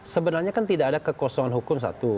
sebenarnya kan tidak ada kekosongan hukum satu